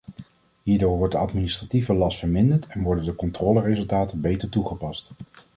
Hierdoor wordt de administratieve last verminderd en worden de controleresultaten beter toegepast.